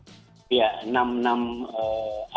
ya enam miliar rupiah